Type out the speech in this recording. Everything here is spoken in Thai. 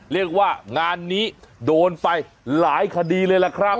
เรียกว่างานนี้โดนไปหลายคดีเลยล่ะครับ